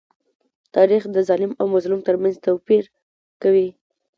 تاریخ د ظالم او مظلوم تر منځ توپير کوي.